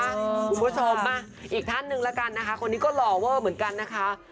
คุณผู้ชมมาอีกท่านหนึ่งแล้วกันนะคะคนนี้ก็หล่อเวอร์เหมือนกันนะคะ